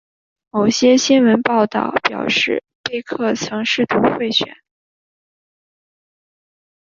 某些新闻报道表示贝克曾试图贿选。